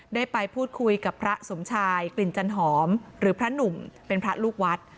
ได้ไปพูดคุยกับพระสมชายกลิ่นจันหอมหรือพระหนุ่มเป็นพระลูกวัด